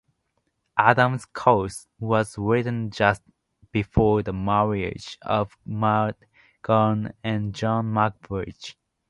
"Adam's Curse" was written just before the marriage of Maud Gonne and John MacBride.